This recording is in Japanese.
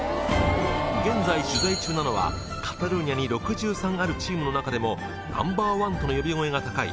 現在取材中なのはカタルーニャに６３あるチームの中でもナンバーワンとの呼び声が高い